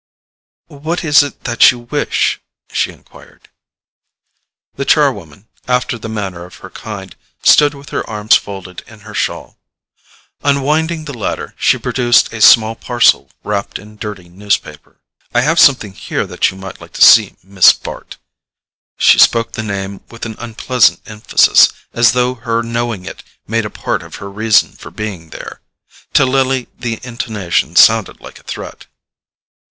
"What is it that you wish?" she enquired. The char woman, after the manner of her kind, stood with her arms folded in her shawl. Unwinding the latter, she produced a small parcel wrapped in dirty newspaper. "I have something here that you might like to see, Miss Bart." She spoke the name with an unpleasant emphasis, as though her knowing it made a part of her reason for being there. To Lily the intonation sounded like a threat.